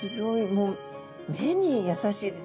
もう目に優しいです